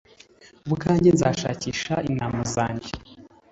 ubwanjye nzashakisha intama zanjye